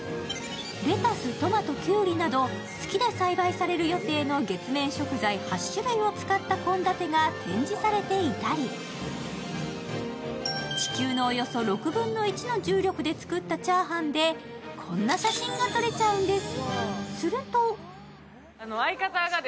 レタス、トマト、きゅうりなど月で栽培される予定の月面食材８種類を使った献立が展示されていたり地球のおよそ６分の１の重力で作ったチャーハンでこんな写真が撮れちゃうんです。